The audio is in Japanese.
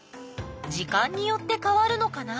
時間によってかわるのかな？